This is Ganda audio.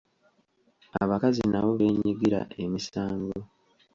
Abakazi nabo beenyigira emisango.